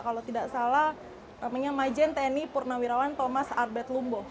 kalau tidak salah namanya majen tni purnawirawan thomas arbet lumbo